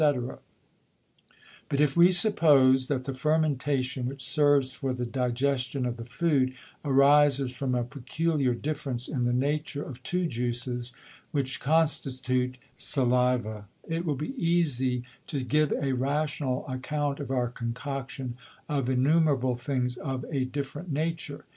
_ But if we suppose, that the Fermentation, which serves for the Digestion of the Food, arises from a peculiar difference in the Nature of two Juices, which constitute the Saliva, it will be easie to give a rational Account of our Concoction of innumerable things of a different Nature.